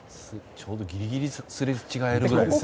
ちょうどギリギリすれ違えるくらいですね。